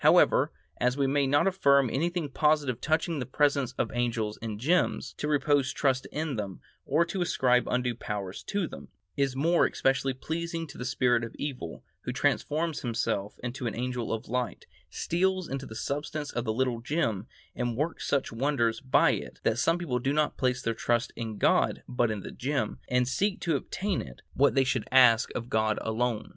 However, as we may not affirm anything positive touching the presence of angels in gems, to repose trust in them, or to ascribe undue powers to them, is more especially pleasing to the spirit of evil, who transforms himself into an angel of light, steals into the substance of the little gem, and works such wonders by it that some people do not place their trust in God but in a gem, and seek to obtain from it what they should ask of God alone.